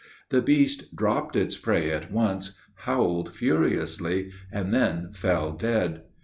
The beast dropped its prey at once, howled furiously, and then fell dead.